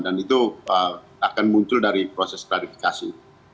dan itu akan muncul dari proses klarifikasi